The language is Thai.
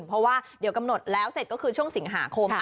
เพราะว่าเดี๋ยวกำหนดแล้วเสร็จก็คือช่วงสิงหาคม